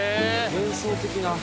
幻想的な。